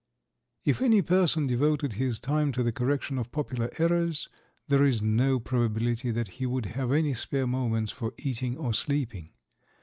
If any person devoted his time to the correction of popular errors, there is no probability that he would have any spare moments for eating or sleeping.